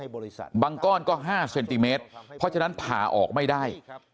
บางก้อนก็๕เซนติเมตรเพราะฉะนั้นผ่าออกไม่ได้